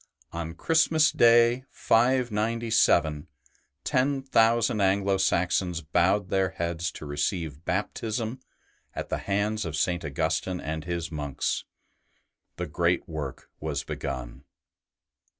On Christmas Day, ST. BENEDICT 115 597, ten thousand Anglo Saxons bowed their heads to receive Baptism at the hands of St. Augustine and his monks; the great work was begun.